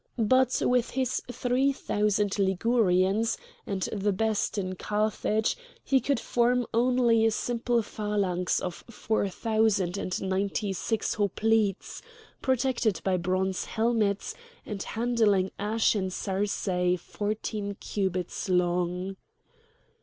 But with his three thousand Ligurians, and the best in Carthage, he could form only a simple phalanx of four thousand and ninety six hoplites, protected by bronze helmets, and handling ashen sarissæ fourteen cubits long.